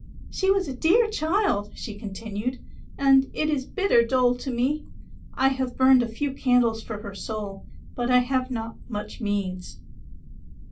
She was a dear child," she continued, "and it is bitter dole to me. I have burned a few candles for her soul, but I have not much means."